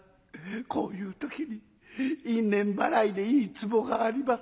こういう時に因縁ばらいでいいツボがあります。